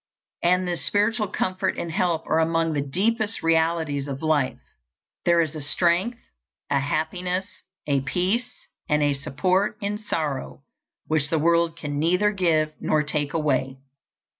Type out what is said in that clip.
And this spiritual comfort and help are among the deepest realities of life. There is a strength, a happiness, a peace and a support in sorrow which the world can neither give nor take away.